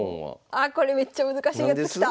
あっこれめっちゃ難しいやつきた！